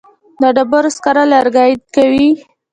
د ډبرو سکاره لوګی کوي